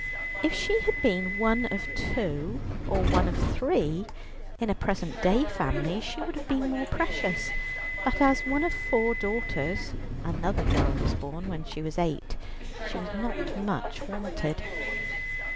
If she had been one of two or one of three in a present day family she would have been more precious. But as one of four daughters another girl was born when she was eight she was not much wanted.